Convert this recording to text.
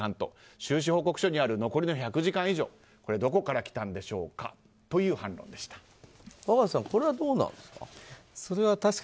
収支報告書にある残りの１００時間以上これはどこからきたんでしょうかという若狭さん、これはどうですか。